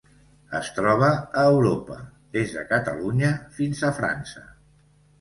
Es troba a Europa: des de Catalunya fins a França.